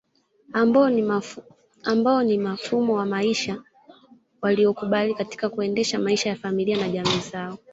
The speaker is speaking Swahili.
Ambao ni mfumo wa maisha walioukubali katika kuendesha maisha ya familia na jamii zao